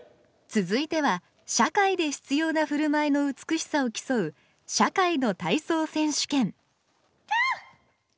続いては社会で必要な振る舞いの美しさを競う「社会の体操選手権」キャ！